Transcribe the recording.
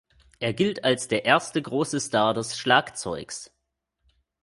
Er gilt als der erste große Star des Schlagzeugs.